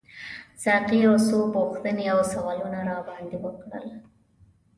ساقي یو څو پوښتنې او سوالونه راباندي وکړل.